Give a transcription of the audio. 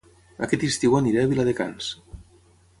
Aquest estiu aniré a Viladecans